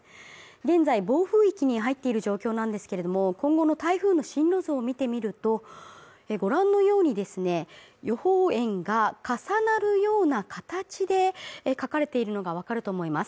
現在、暴風域に入っている状況なんですけれども今後の台風の進路図を見てみるとご覧のようにですね予報円が重なるような形で描かれているのが分かると思います